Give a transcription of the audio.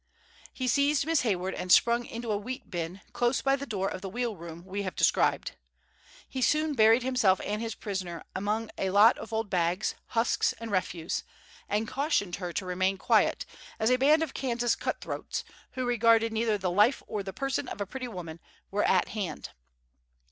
He seized Miss Hayward and sprung into a wheat bin, close by the door of the wheel room we have described. He soon buried himself and his prisoner among a lot of old bags, husks and refuse, and cautioned her to remain quiet, as a band of Kansas cut throats, who regarded neither the life or person of a pretty woman, were at hand.